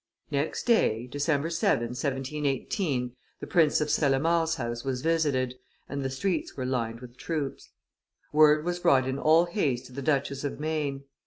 Next day, December 7, 1718, the Prince of Cellamare's house was visited, and the streets were lined with troops. Word was brought in all haste to the Duchess of Maine.